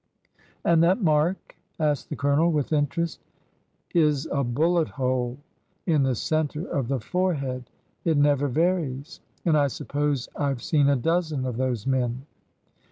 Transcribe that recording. '' And that mark ?" asked the Colonel, with interest. " Is a bullet hole in the center of the forehead. It never varies. And I suppose I Ve seen a dozen of those men."